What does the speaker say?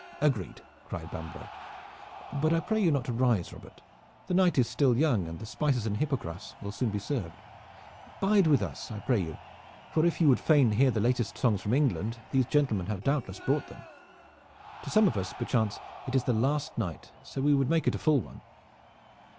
"Agreed!" cried Bambro'. "But I pray you not to rise, Robert! The night is still young and the spices and hippocras will soon be served. Bide with us, I pray you, for if you would fain hear the latest songs from England, these gentlemen have doubtless brought them. To some of us perchance it is the last night, so we would make it a full one."